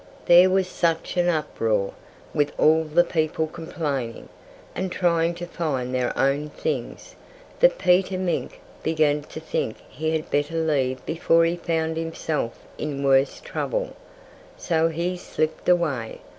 There was such an uproar, with all the people complaining, and trying to find their own things, that Peter Mink began to think he had better leave before he found himself in worse trouble. So he slipped away.